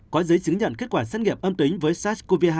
có giấy chứng nhận kết quả xét nghiệm âm tính với sars cov hai